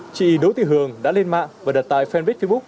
chị đỗ thị hường đã lên mạng và đặt tại fanpage facebook